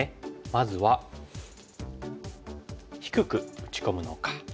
まずは低く打ち込むのか。